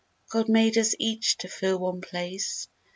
God made us each to fill one place.